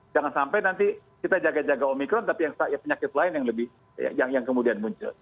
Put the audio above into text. jangan sampai nanti kita jaga jaga omikron tapi yang penyakit lain yang kemudian muncul